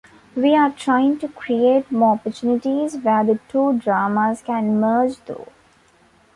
We are trying to create more opportunities where the two dramas can merge, though.